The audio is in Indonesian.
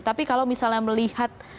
tapi kalau misalnya melihat